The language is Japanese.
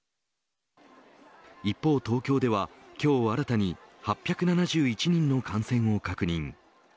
一方、東京では今日、新たに８７１人の感染を確認。